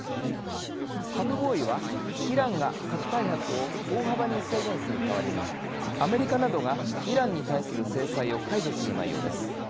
「核合意」は、イランが核開発を大幅に制限する代わりにアメリカなどがイランに対する制裁を解除する内容です。